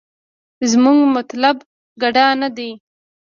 زمونګه مطلوب ګډا نه دې.